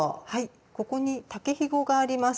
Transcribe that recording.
ここに竹ひごがあります。